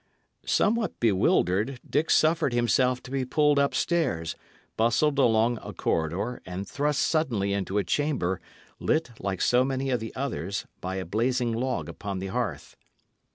Somewhat bewildered, Dick suffered himself to be pulled up stairs, bustled along a corridor, and thrust suddenly into a chamber, lit, like so many of the others, by a blazing log upon the hearth.